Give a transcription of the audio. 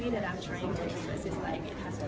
มีความต้องการที่สุขที่จะช่วยทุกคน